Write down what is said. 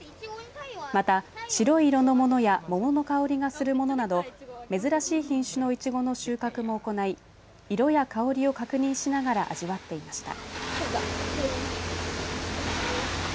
また、白い色のものや桃の香りがするものなど珍しい品種のいちごの収穫も行い色や香りを確認しながら味わっていました。